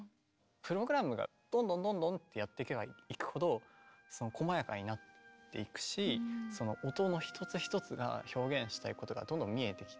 プログラムがどんどんどんどんってやっていけばいくほどこまやかになっていくし音の一つ一つが表現したいことがどんどん見えてきて。